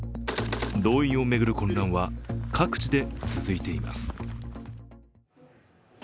動員を巡る混乱は各地で続いています。